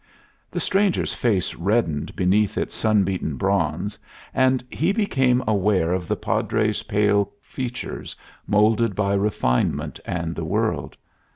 The stranger's face reddened beneath its sun beaten bronze, and he became aware of the Padre's pale features, molded by refinement and the world.